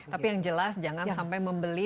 tapi yang jelas jangan sampai membeli